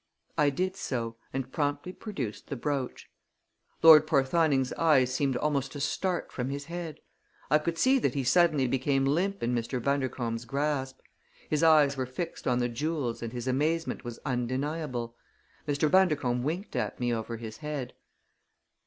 I did so and promptly produced the brooch. Lord Porthoning's eyes seemed almost to start from his head. I could see that he suddenly became limp in Mr. Bundercombe's grasp. His eyes were fixed on the jewels and his amazement was undeniable. Mr. Bundercombe winked at me over his head.